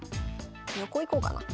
横行こうかな。